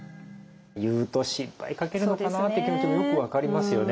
言うと心配かけるのかなって気持ちもよく分かりますよね。